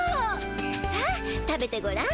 さあ食べてごらん。